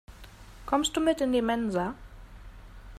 Kommst du mit in die Mensa?